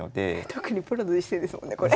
特にプロの実戦ですもんねこれ。